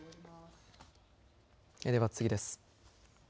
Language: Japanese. では次です。